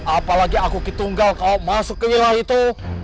apalagi aku ketunggal kau masuk ke wilayah itu